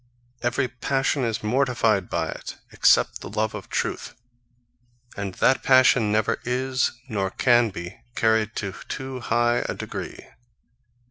Every passion is mortified by it, except the love of truth; and that passion never is, nor can be, carried to too high a degree.